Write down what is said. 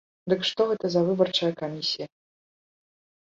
Дык што гэта за выбарчая камісія.